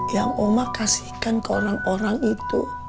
yang oma kasihkan ke orang orang itu